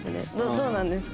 どうなんですか？